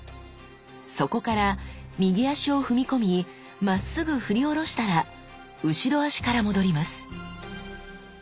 そこから右足を踏み込みまっすぐふり下ろしたら後ろ足から戻ります。